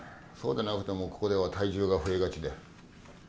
そうでなくてもここでは体重が増えがちで。